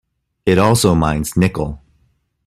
It also mines nickel.